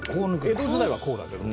江戸時代はこうだけど。